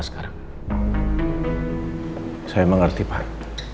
saya mengerti pak